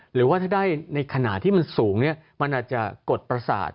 หรือว่าถ้าได้ในขณะที่มันสูงมันอาจจะกดประสาท